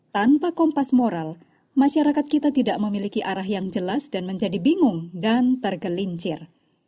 tanpa kompas moral masyarakat kita tidak memiliki arah yang jelas dan menjadi bingung dan tergelincir